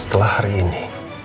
setelah hari ini